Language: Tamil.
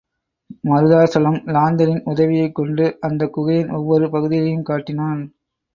மருதாசலம் லாந்தரின் உதவியைக்கொண்டு அந்தக் குகையின் ஒவ்வொரு பகுதியையும் காட்டினான்.